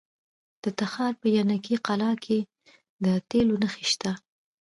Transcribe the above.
د تخار په ینګي قلعه کې د تیلو نښې شته.